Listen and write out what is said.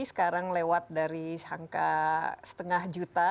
sekarang lewat dari angka setengah juta